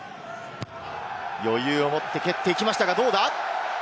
余裕を持って蹴っていきましたが、どうだ？